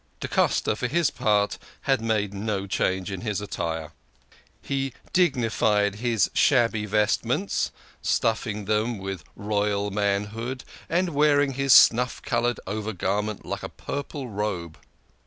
Da Costa, for his part, had made no change in his attire ; he dignified his shabby vestments, stuffing them with royal manhood, and wearing THE KING OF SCHNORRERS. 129 his snuff coloured over garment like a purple robe.